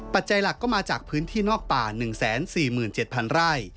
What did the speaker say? ปัจจัยหลักก็มาจากพื้นที่นอกป่า๑๔๗๐๐ไร่